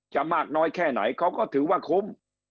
มากน้อยแค่ไหนเขาก็ถือว่าคุ้ม